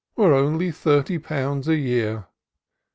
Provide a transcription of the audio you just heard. Were only thirty pounds a year.